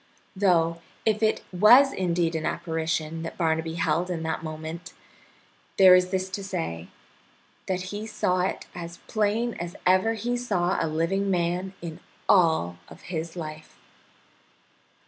Though if it was indeed an apparition that Barnaby beheld in that moment, there is this to say, that he saw it as plain as ever he saw a living man in all of his life.